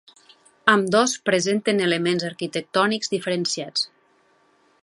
Ambdós presenten elements arquitectònics diferenciats.